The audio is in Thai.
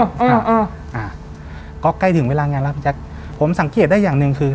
อ่าอ่าก็ใกล้ถึงเวลางานแล้วพี่แจ๊คผมสังเกตได้อย่างหนึ่งคือ